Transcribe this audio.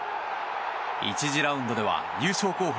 １次ラウンドでは優勝候補